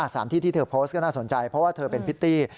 สถานที่ที่เธอโพสต์ก็น่าสนใจเพราะว่าเธอเป็นพิตตี้